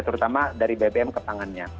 terutama dari bbm ke tangannya